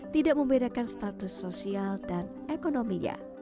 tidak membedakan status sosial dan ekonominya